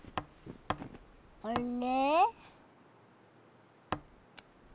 あれ？